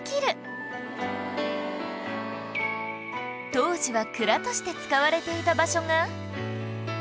当時は蔵として使われていた場所が